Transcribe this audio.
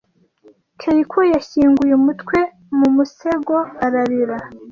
Keiko yashyinguye umutwe mu musego ararira.